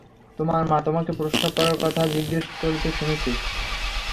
তোমার মা তোমাকে প্রস্রাব করার কথা জিজ্ঞেস করতে শুনেছি।